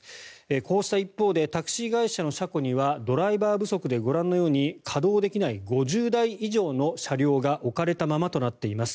こうした一方でタクシー会社の車庫にはドライバー不足でご覧のように稼働できない５０台以上の車両が置かれたままとなっています。